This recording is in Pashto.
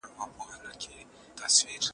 شاعر د ترنګ رود له څپو سره خپل درد شریکوي.